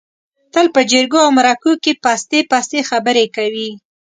تل په جرگو او مرکو کې پستې پستې خبرې کوي.